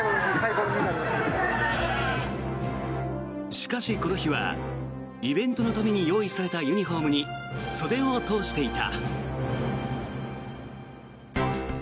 しかし、この日はイベントのために用意されたユニホームに袖を通していた。